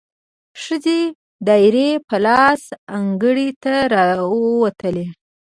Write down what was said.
ښځې دایرې په لاس انګړ ته راووتلې،